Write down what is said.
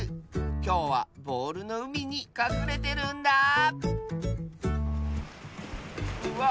きょうはボールのうみにかくれてるんだあ。